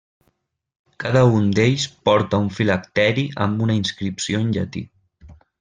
Cada un d'ells porta un filacteri amb una inscripció en llatí.